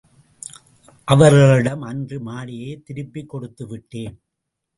அவர்களிடம் அன்று மாலையே திருப்பிக் கொடுத்து விட்டேன்.